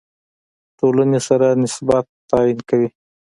ټولنې سره نسبت تعیین کوي.